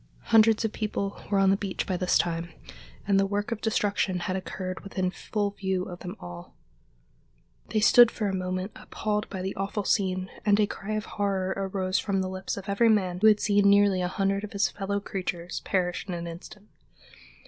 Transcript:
Hundreds of people were on the beach by this time, and the work of destruction had occurred within full view of them all. They stood for a moment appalled by the awful scene, and a cry of horror arose from the lips of every man who had seen nearly a hundred of his fellow creatures perish in an instant.